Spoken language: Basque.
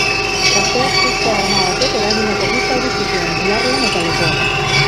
Gazteak suzko arma batek eragindako bi zauri zituen, bularraldean eta lepoan.